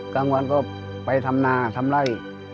กลางวันก็ไปทำนาทำไล่